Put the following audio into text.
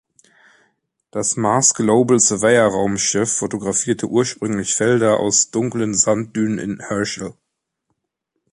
Das Mars-Global-Surveyor-Raumschiff fotografierte ursprünglich Felder aus dunklen Sanddünen in Herschel.